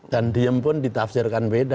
dan diem pun ditafsirkan beda